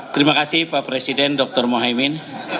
terima kasih pak presiden dr mohaimin